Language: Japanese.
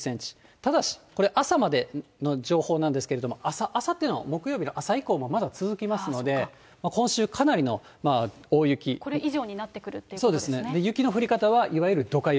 ただし、これ朝までの情報なんですけれども、あさっての木曜日の朝以降もまだ続きますので、今週、かなりの大これ以上になってくるってこそうですね、雪の降り方はいわゆるどか雪。